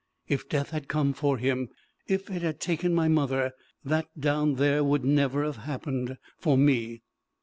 If death had come for him, if it had taken my mother, that down there would never have happened for me!"